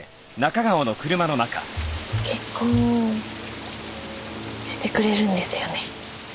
結婚してくれるんですよね？